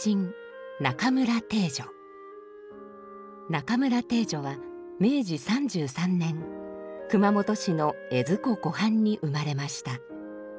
中村汀女は明治３３年熊本市の江津湖湖畔に生まれました。